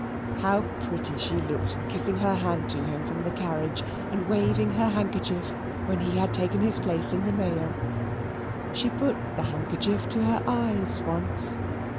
How pretty she looked kissing her hand to him from the carriage and waving her handkerchief when he had taken his place in the mail! She put the handkerchief to her eyes once.